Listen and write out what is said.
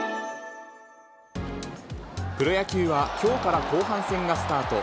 プロ野球はきょうから後半戦がスタート。